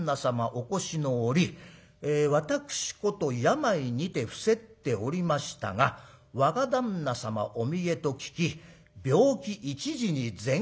お越しの折私こと病にて伏せっておりましたが若旦那様お見えと聞き病気一時に全快したような心持ち』。